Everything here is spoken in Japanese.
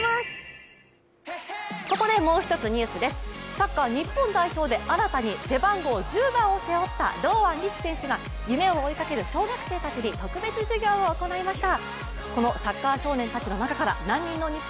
サッカー日本代表で新たに背番号１０番を背負った堂安律選手が夢を追いかける小学生たちに特別授業を行いました。